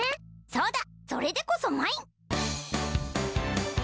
そうだそれでこそまいん！